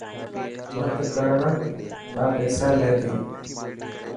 ڀرت ڪرڻ را پيسالي تي.